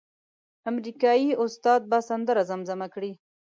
امریکایي استاد به سندره زمزمه کړي.